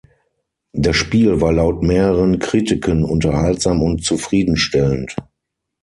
Das Spiel war laut mehreren Kritiken unterhaltsam und zufriedenstellend.